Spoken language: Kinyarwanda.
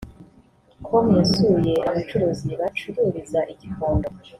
com yasuye abacuruzi bacururiza i Gikondo